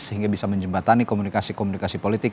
sehingga bisa menjembatani komunikasi komunikasi politik